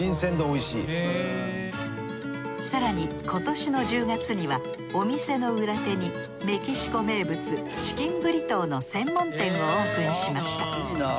更に今年の１０月にはお店の裏手にメキシコ名物チキンブリトーの専門店をオープンしました。